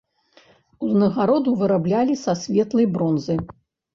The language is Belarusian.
Узнагароду выраблялі са светлай бронзы.